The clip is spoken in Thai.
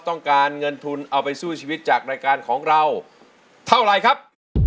ต้องการเงินทุนเอาไปสู้ชีวิตจากรายการของเราเท่าไรครับ